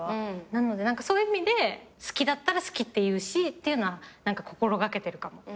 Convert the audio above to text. なのでそういう意味で好きだったら好きって言うしっていうのは心掛けてるかも。